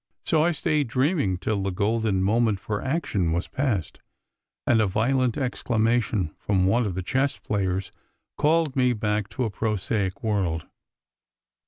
So I stayed dreaming till the golden moment for action was passed, and a violent exclamation from one of the chess players called me back to a prosaic world.